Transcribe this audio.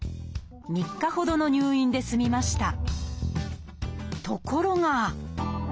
３日ほどの入院で済みました。